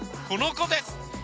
このこです！